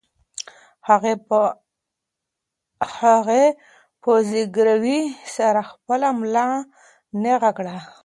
هغې په زګیروي سره خپله ملا نېغه کړه.